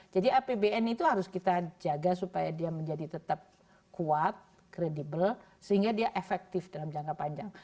jadi apbn itu harus kita jaga supaya dia tetap kuat kredibel sehingga dia efektif dalam jangka panjang